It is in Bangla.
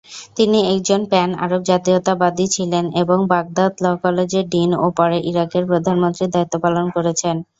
তিনি একজন প্যান আরব জাতীয়তাবাদি ছিলেন এবং বাগদাদ ল কলেজের ডিন ও পরে ইরাকের প্রধানমন্ত্রীর দায়িত্বপালন করেছেন।